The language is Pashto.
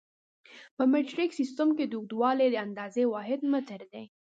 په مټریک سیسټم کې د اوږدوالي د اندازې واحد متر دی.